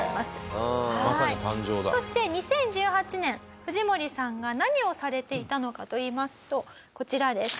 そして２０１８年藤森さんが何をされていたのかといいますとこちらです。